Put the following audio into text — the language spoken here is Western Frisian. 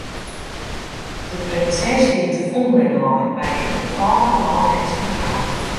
De prinses wie te fûnling lein by in ienfâldige man en syn frou.